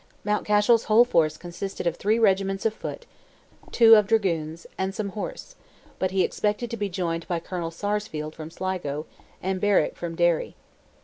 Mountcashel's whole force consisted of three regiments of foot, two of dragoons, and some horse; but he expected to be joined by Colonel Sarsfield from Sligo, and Berwick from Derry.